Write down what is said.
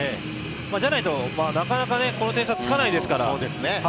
じゃないとなかなかこの点差はつかないですから。